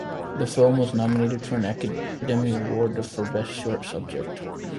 The film was nominated for an Academy Award for Best Short Subject.